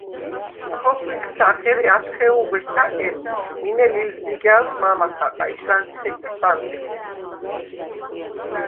ქოხვიქცახ, ერე ათხეუნღვე სა̈კენ მინე ლილზიგა̈ლს მამა ხაყა ი შვა̈ნთე ხეკვეს ანტეხეხ.